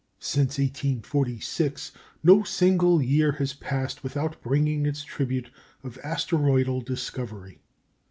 Since 1846 no single year has passed without bringing its tribute of asteroidal discovery.